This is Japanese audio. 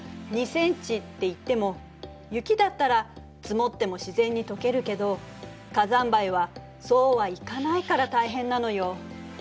２ｃｍっていっても雪だったら積もっても自然にとけるけど火山灰はそうはいかないから大変なのよ。